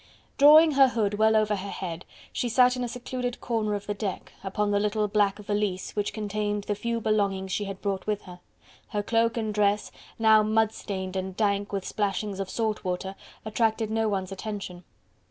Drawing her hood well over her head, she sat in a secluded corner of the deck, upon the little black valise which contained the few belongings she had brought with her. Her cloak and dress, now mud stained and dank with splashings of salt water, attracted no one's attention.